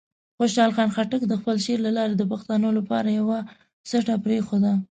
خوشحال خان خټک د خپل شعر له لارې د پښتنو لپاره یوه سټه پرېښوده.